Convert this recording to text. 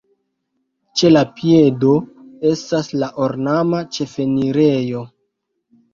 Ĉe la piedo estas la ornama ĉefenirejo.